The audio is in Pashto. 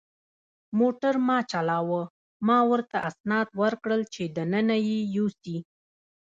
موټر ما چلاوه، ما ورته اسناد ورکړل چې دننه یې یوسي.